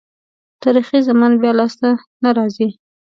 تاریخي زمان بیا لاسته نه راځي.